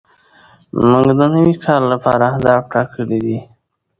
موږ د نوي کال لپاره اهداف ټاکلي دي.